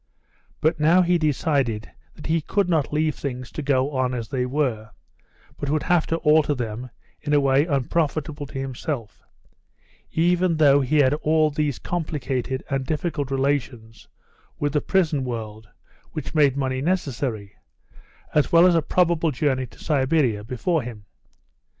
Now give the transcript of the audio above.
But now he decided that he could not leave things to go on as they were, but would have to alter them in a way unprofitable to himself, even though he had all these complicated and difficult relations with the prison world which made money necessary, as well as a probable journey to Siberia before him.